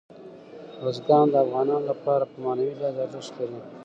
بزګان د افغانانو لپاره په معنوي لحاظ ارزښت لري.